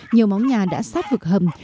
nhiều móng nhà đã sát vực hầm